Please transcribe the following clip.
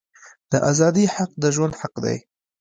د آزادی حق د ژوند حق دی.